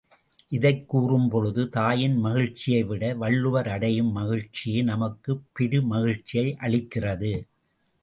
இதைக் கூறும்பொழுது தாயின் மகிழ்ச்சியைவிட வள்ளுவர் அடையும் மகிழ்ச்சியே நமக்குப் பெருமகிழ்ச்சியை அளிக்கிறது.